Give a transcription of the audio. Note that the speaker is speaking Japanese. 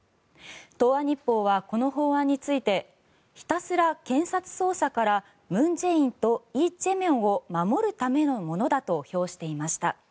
東亜日報はこの法案についてひたすら検察捜査から文在寅とイ・ジェミョンを守るためのものだと評していました。